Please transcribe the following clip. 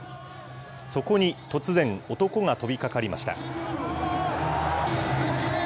そこに突然、男が飛びかかりました。